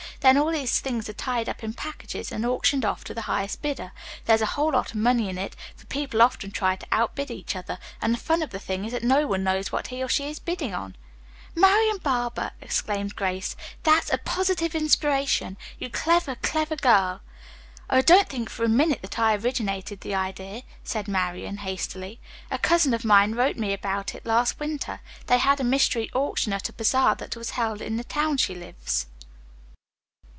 Then all these things are tied up in packages and auctioned off to the highest bidder. There is a whole lot of money in it, for people often try to outbid each other, and the fun of the thing is that no one knows what he or she is bidding on." "Marian Barber," exclaimed Grace, "that's a positive inspiration! You clever, clever girl!" "Oh, don't think for a minute that I originated the idea," said Marian hastily. "A cousin of mine wrote me about it last winter. They had a 'Mystery Auction' at a bazaar that was held in the town she lives."